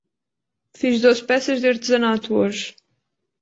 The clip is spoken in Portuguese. Fiz doze peças de artesanato hoje.